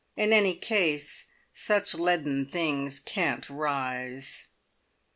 In any case, such leaden things can't rise.